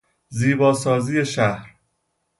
زیبا سازی شهر